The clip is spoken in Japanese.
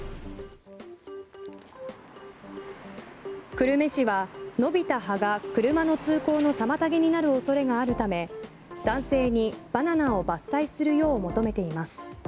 久留米市は伸びた葉が車の通行の妨げになる恐れがあるため男性にバナナを伐採するよう求めています。